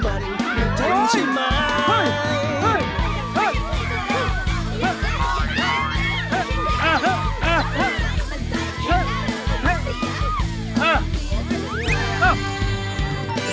การสูญเกษตรบ้านทุ่งแช่